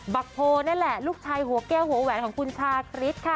ักโพนั่นแหละลูกชายหัวแก้วหัวแหวนของคุณชาคริสค่ะ